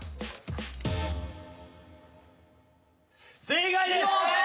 正解です！